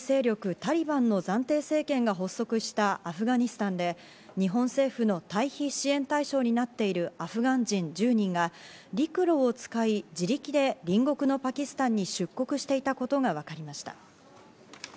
・タリバンの暫定政権が発足したアフガニスタンで、日本政府の退避支援対象になっているアフガン人、１０人が陸路を使い、自力で隣国のパキスタンに出国していたことがわかりました。